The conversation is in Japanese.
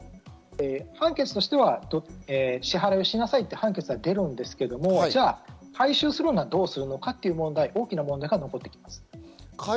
判決としては支払いをしなさいと出るんですが、回収するのはどうするのかという大きな問題が残ってきます。